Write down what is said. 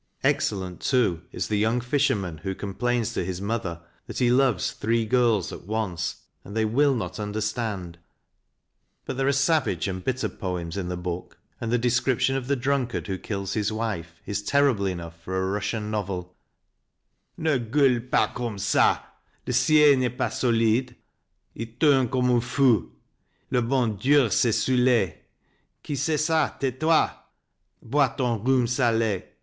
Excellent, too, is the young fisherman who complains to his mother that he loves three girls at once, and they will not understand ! But there are savage and bitter poems PAUL FORT 259 in the book, and the description of the drunkard who kills his wife is terrible enough for a Russian novel : Ne gueule pas comme ga, T ciel n'est pas solide. Y tourne comme un fou : le bon Dieu s'est soule. Qui c'est ga, tais toi ... bois ton rhum sale.